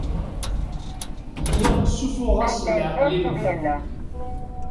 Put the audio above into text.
Lliɣ ssuffuɣeɣ-asen leɛqel i medden.